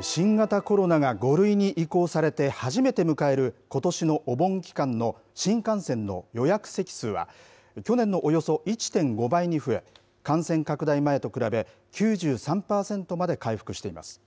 新型コロナが５類に移行されて初めて迎えることしのお盆期間の新幹線の予約席数は去年のおよそ１．５倍に増え感染拡大前と比べ９３パーセントまで回復しています。